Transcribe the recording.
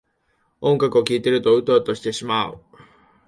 音楽を聴いているとウトウトしてしまう